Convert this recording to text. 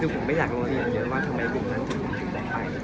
คือผมไม่อยากรู้สึกอย่างเยอะว่าทำไมกลุ่มนั้นคือผมถึงบอกไป